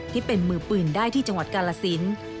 ที่เป็นมือปืนได้ที่จังหวัดกาลสิน